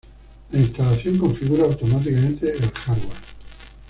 La instalación configura automáticamente el hardware.